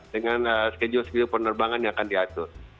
dengan schedule schedule penerbangan yang akan diatur